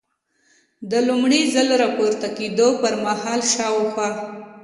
د لومړي ځل را پورته کېدو پر مهال شاوخوا.